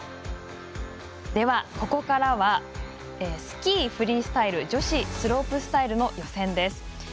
では、ここからはスキー・フリースタイル女子スロープスタイルの予選です。